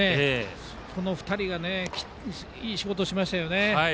その２人がいい仕事をしましたね。